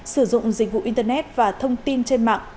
sử dụng dịch vụ internet và thông tin trên mạng